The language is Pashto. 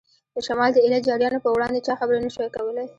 د شمال د ایله جاریانو په وړاندې چا خبرې نه شوای کولای.